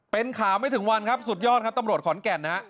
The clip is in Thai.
เป็นข่าวไม่ถึงวันครับสุดยอดครับตำรวจขอนแก่นนะฮะ